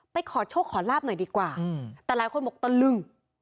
ขอโชคขอลาบหน่อยดีกว่าแต่หลายคนบอกตะลึง